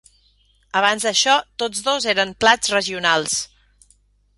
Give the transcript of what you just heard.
Abans d'això, tots dos eren plats regionals.